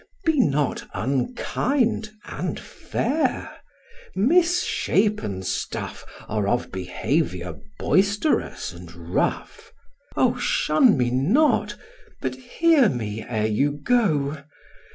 Be not unkind and fair; mis shapen stuff Are of behaviour boisterous and rough. O, shun me not, but hear me ere you go!